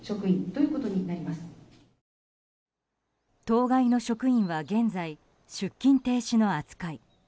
当該の職員は現在、出勤停止の扱い。